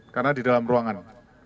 karena di dalam ruangan